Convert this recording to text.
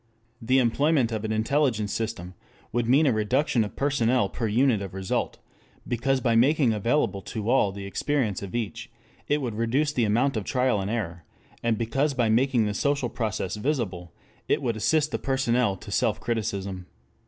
The employment of an intelligence system would mean a reduction of personnel per unit of result, because by making available to all the experience of each, it would reduce the amount of trial and error; and because by making the social process visible, it would assist the personnel to self criticism.